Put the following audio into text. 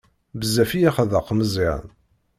Bezzaf i yeḥdeq Meẓyan.